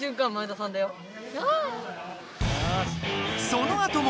そのあとも。